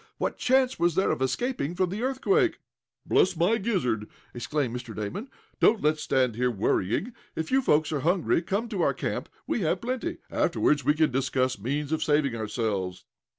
What chance was there of escaping from the earthquake? "Bless my gizzard!" exclaimed Mr. Damon. "Don't let's stand here worrying! If you folks are hungry come up to our camp. We have plenty. Afterward we can discuss means of saving ourselves."